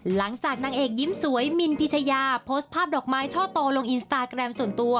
นางเอกยิ้มสวยมินพิชยาโพสต์ภาพดอกไม้ช่อโตลงอินสตาแกรมส่วนตัว